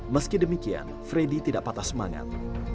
meski demikian freddy tidak patah semangat